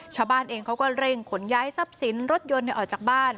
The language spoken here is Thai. ชาวบ้านเองเขาก็เร่งขนย้ายทรัพย์สินรถยนต์ออกจากบ้าน